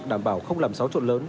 đảm bảo không làm xáo trộn lớn